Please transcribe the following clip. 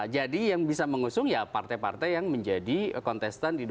jadi yang bisa mengusung ya partai partai yang menjadi kontestan di dua ribu empat belas